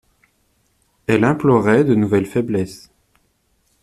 Elle implorait de nouvelles faiblesses.